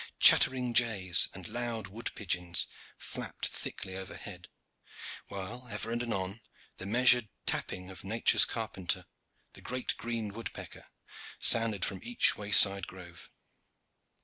Chattering jays and loud wood pigeons flapped thickly overhead, while ever and anon the measured tapping of Nature's carpenter, the great green woodpecker, sounded from each wayside grove.